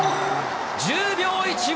１０秒１５。